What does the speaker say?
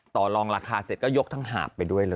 ต่อลองราคาเสร็จก็ยกทั้งหาบไปด้วยเลย